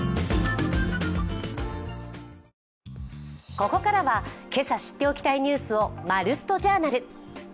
ここからは今朝知っておきたいニュースを「まるっと！Ｊｏｕｒｎａｌ」。